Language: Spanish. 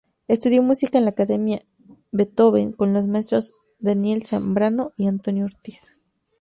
Estudió música en la Academia Beethoven con los maestros Daniel Zambrano y Antonio Ortiz.